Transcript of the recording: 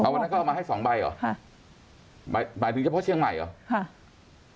วันนั้นเขามาให้๒ใบเหรอหมายถึงเฉพาะเชียงใหม่เหรอ